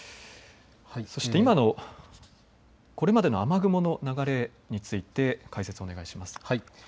そして今のこれまでの雨雲の流れについて解説、お願いします。